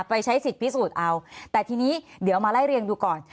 ใช้สิทธิ์พิสูจน์เอาแต่ทีนี้เดี๋ยวมาไล่เรียงดูก่อน